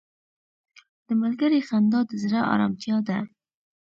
• د ملګري خندا د زړه ارامتیا ده.